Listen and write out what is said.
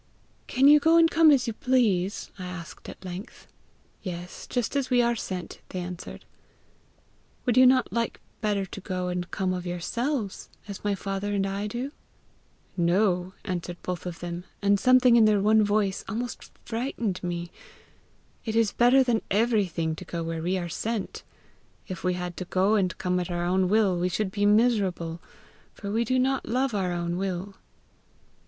'Can you go and come as you please?' I asked at length. 'Yes, just as we are sent,' they answered. 'Would you not like better to go and come of yourselves, as my father and I do?' I said. 'No,' answered both of them, and something in their one voice almost frightened me; 'it is better than everything to go where we are sent. If we had to go and come at our own will, we should be miserable, for we do not love our own will.'